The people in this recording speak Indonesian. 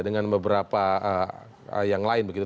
dengan beberapa yang lain begitu